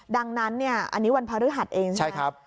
ดังนั้นเนี่ยอันนี้วันพระฤหัสเองใช่ไหมครับ